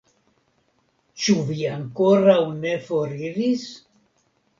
Ĉu vi ankoraŭ ne foriris?